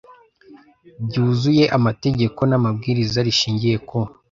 byuzuye amategeko n amabwiriza rishingiye ku